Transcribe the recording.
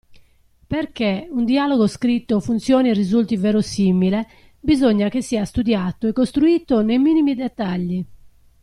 Perché un dialogo scritto funzioni e risulti verosimile, bisogna che sia studiato e costruito nei minimi dettagli.